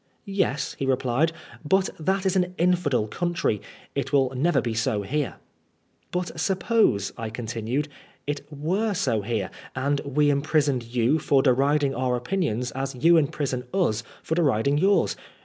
" Yes," he replied, " but that is an infidel country. It will never be so here." " But suppose," I continued, " it were so here, and we imprisoned you for deriding our opinions as you imprison us for deriding yours.